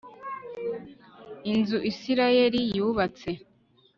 inzu isirayeli yubatse